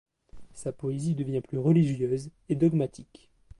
Sa poésie devient plus religieuse et dogmatique.